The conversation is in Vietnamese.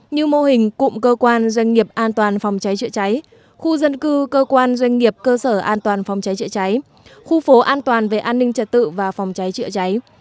như mô hình cụm cơ quan doanh nghiệp an toàn phòng cháy chữa cháy khu dân cư cơ quan doanh nghiệp cơ sở an toàn phòng cháy chữa cháy khu phố an toàn về an ninh trật tự và phòng cháy chữa cháy